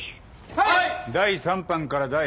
はい。